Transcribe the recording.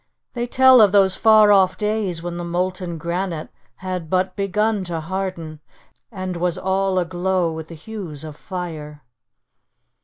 They tell of those far off days when the molten granite had but begun to harden, and was all aglow with the hues of fire.